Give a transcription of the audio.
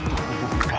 gue mau ke kawasan